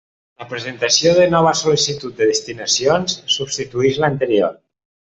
La presentació de nova sol·licitud de destinacions substitueix l'anterior.